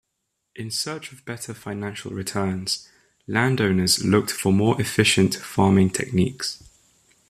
In search of better financial returns, landowners looked for more efficient farming techniques.